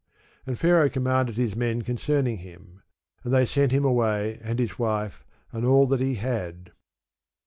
And Pharaoh commanded his men concerning him: and they sent him away, and his wife, and all that he had.